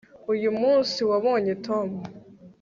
uyu munsi wabonye tom